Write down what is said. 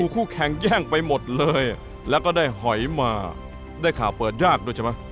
คู่แข่งแย่งไปหมดเลยแล้วก็ได้หอยมาได้ข่าวเปิดยากด้วยใช่ไหม